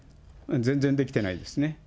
全然できてないですね。